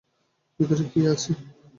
ভিতরে কী আছে?